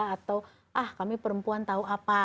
atau ah kami perempuan tahu apa